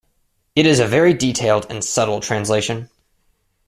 It is a very detailed and subtle translation.